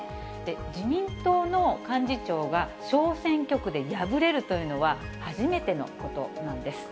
自民党の幹事長が小選挙区で敗れるというのは初めてのことなんです。